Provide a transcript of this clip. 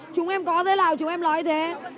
chúng em có thế nào chúng em nói thế